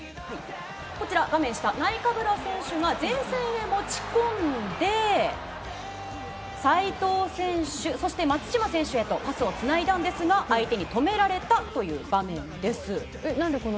こちら、前線へ持ち込んで齋藤選手、そして松島選手へとパスをつないだんですが相手に止められた場面です。